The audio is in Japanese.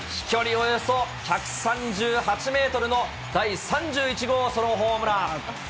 およそ１３８メートルの第３１号ソロホームラン。